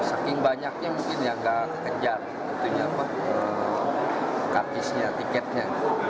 saking banyaknya mungkin yang nggak kejar kartisnya tiketnya